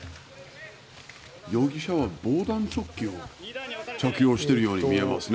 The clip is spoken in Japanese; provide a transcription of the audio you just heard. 容疑者は防弾チョッキを着用しているように見えますね。